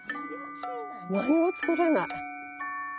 何も作れない。